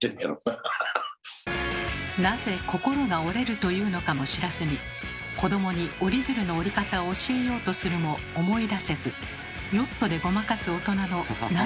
なぜ「心が折れる」と言うのかも知らずに子どもに折り鶴の折り方を教えようとするも思い出せずヨットでごまかす大人のなんと多いことか。